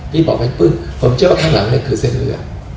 ที่บอกให้ปึ้งผมเชื่อว่าข้างหลังนั่นคือเส้นเลือด